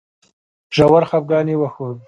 ژور خپګان یې وښود.